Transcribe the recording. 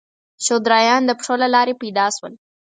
شودرایان د پښو له لارې پیدا شول.